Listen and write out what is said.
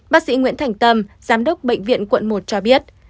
bác sĩ nguyễn thành tâm giám đốc bệnh viện quận một cho biết